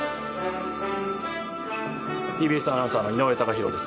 ＴＢＳアナウンサーの井上貴博です。